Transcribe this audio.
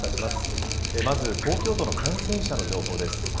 まず東京都の感染者の情報です。